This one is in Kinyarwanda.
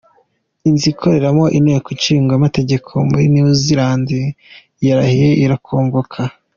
inzu ikoreramo inteko ishinga amategeko muri New Zealand yarahiye irakongoka.